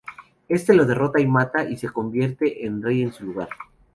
Éste lo derrota y mata y se convierte en rey en su lugar.